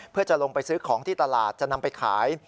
เพื่อจะลงไปซื้อของที่ตลาดจะนำไปขาย